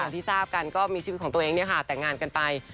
ที่ทราบกันก็มีชีวิตของตัวเองแต่งงานกันไป